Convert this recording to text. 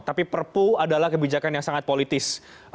tapi perpu adalah kebijakan yang sangat politis